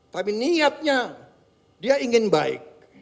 tapi niatnya dia ingin baik